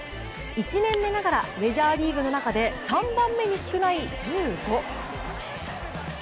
１年目ながらメジャーリーグの中で３番目に少ない１５。